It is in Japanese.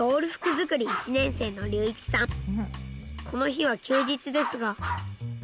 この日は休日ですが。